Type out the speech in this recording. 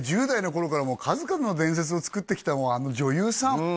１０代の頃から数々の伝説を作ってきたあの女優さん